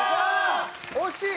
惜しい！